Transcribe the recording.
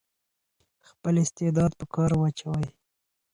خپل استعداد په کار واچوئ.